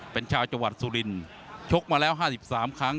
เป็นชาวจังหวัดสุรินชกมาแล้ว๕๓ครั้ง